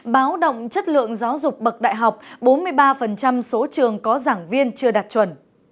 báo động chất lượng giáo dục bậc đại học bốn mươi ba số trường có giảng viên chưa đạt chuẩn